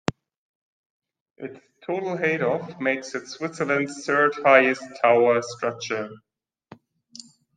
Its total height of makes it Switzerland's third-highest tower structure.